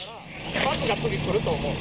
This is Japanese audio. バスが次、来ると思うんで。